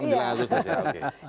menjelang agustus ya oke